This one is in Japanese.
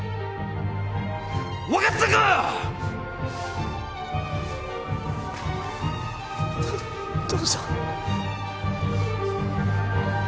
分かったか！と父さん。